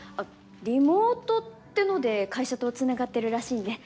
リモートってので会社とつながってるらしいんで。